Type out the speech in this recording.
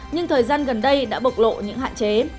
nhưng thời gian gần đây đã bộc lộ những hạn chế